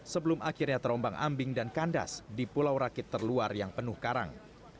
sebelum akhirnya terombang ambing dan kandas di pulau rakit terluar yang penuh karang